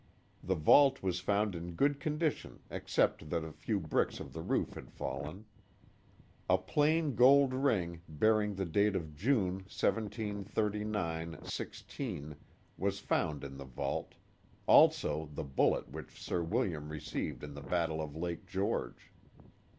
The vault was found in good condition except that a few bricks of the roof had fallen. A plain gold ring bearing the date of June, 1739 16 was found in the vault, also the bullet which Sir William received in the battle of Lake George.